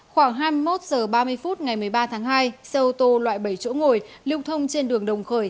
khoảng hai mươi một h ba mươi phút ngày một mươi ba tháng hai xe ô tô loại bảy chỗ ngồi lưu thông trên đường đồng khởi